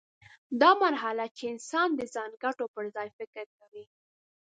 دا مرحله چې انسان د ځان ګټو پر ځای فکر کوي.